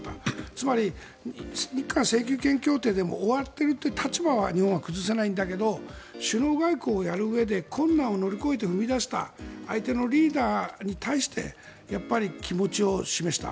つまり日韓請求権協定で終わっているという立場は日本は崩せないんだけど首脳外交をやるうえで困難を乗り越えて踏み出した相手のリーダーに対して気持ちを示した。